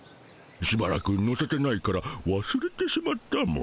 しばらく乗せてないからわすれてしまったモ。